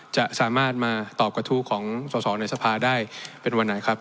จะสามารถมาตอบกระทู้ของสอสอในสภาได้เป็นวันไหนครับ